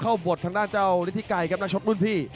เข้าบทตางด้านเจ้าลิถิกัยครับนักชดรุ่นพี่